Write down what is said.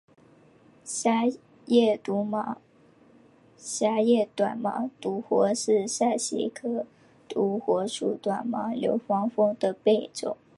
狭叶短毛独活是伞形科独活属短毛牛防风的变种。